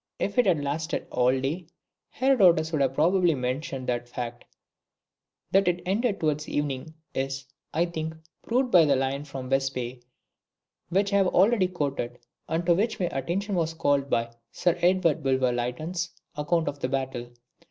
If it had lasted all day, Herodotus would have probably mentioned that fact. That it ended towards evening is, I think, proved by the line from the "Vespae" which I have already quoted, and to which my attention was called by Sir Edward Bulwer Lytton's account of the battle.